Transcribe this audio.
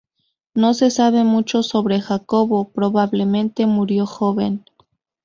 No se sabe mucho sobre Jacobo, probablemente murió joven.